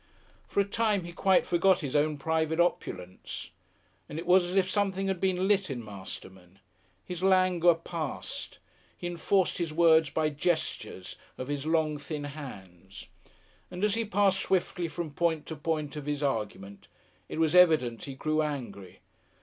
For a time he quite forgot his own private opulence. And it was as if something had been lit in Masterman. His languor passed. He enforced his words by gestures of his long, thin hands. And as he passed swiftly from point to point of his argument it was evident he grew angry.